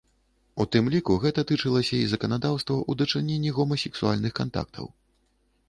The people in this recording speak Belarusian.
У тым ліку гэта тычылася і заканадаўства ў дачыненні гомасексуальных кантактаў.